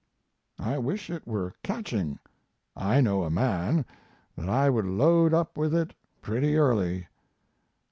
I wish it were catching. I know a man that I would load up with it pretty early.